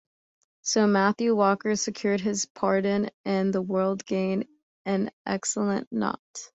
So Matthew Walker secured his pardon, and the world gained an excellent knot.